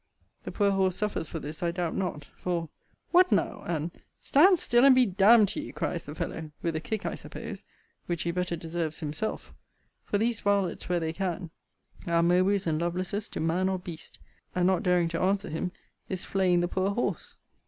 The poor horse suffers for this, I doubt not; for, What now! and, Stand still, and be d d to ye, cries the fellow, with a kick, I suppose, which he better deserves himself; for these varlets, where they can, are Mowbrays and Lovelaces to man or beast; and not daring to answer him, is flaying the poor horse.